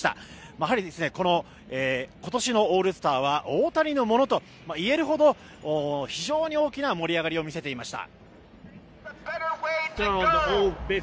やはり、今年のオールスターは大谷のものと言えるほど非常に大きな盛り上がりを見せていました。